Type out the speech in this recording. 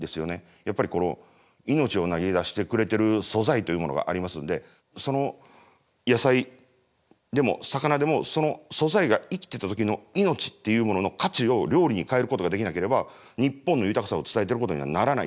やっぱり命を投げ出してくれてる素材というものがありますんで野菜でも魚でもその素材が生きてた時の命っていうものの価値を料理に変えることができなければ日本の豊かさを伝えていることにはならない。